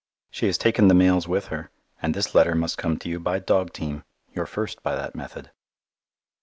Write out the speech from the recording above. She has taken the mails with her, and this letter must come to you by dog team your first by that method.